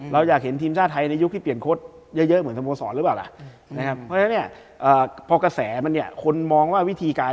เราอยากเห็นทีมชาธิในยุคที่เปลี่ยนโค้ชเยอะเหมือนสโมสรหรือเปล่า